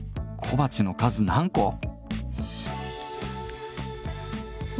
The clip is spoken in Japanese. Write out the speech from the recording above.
小鉢の数何個